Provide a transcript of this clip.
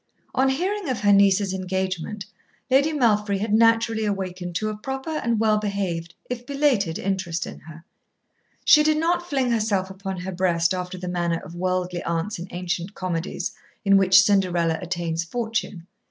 On hearing of her niece's engagement, Lady Malfry had naturally awakened to a proper and well behaved if belated interest in her. She did not fling herself upon her breast after the manner of worldly aunts in ancient comedies in which Cinderella attains fortune.